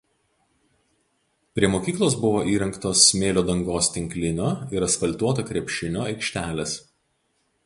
Prie mokyklos buvo įrengtos smėlio dangos tinklinio ir asfaltuota krepšinio aikštelės.